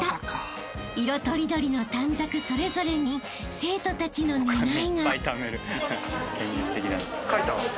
［色とりどりの短冊それぞれに生徒たちの願いが］